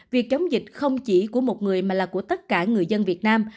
việc chống dịch không chỉ của một người mà là của tất cả người dân việt nam